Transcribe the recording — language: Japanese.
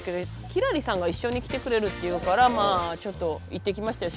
輝星さんが一緒に来てくれるっていうからまあちょっと行ってきましたよ